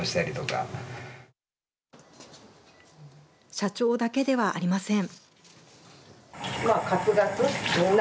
社長だけではありません。